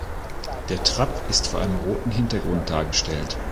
Der Trapp ist vor einem roten Hintergrund dargestellt.